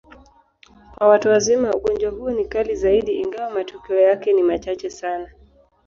Kwa watu wazima, ugonjwa huo ni kali zaidi, ingawa matukio yake ni machache sana.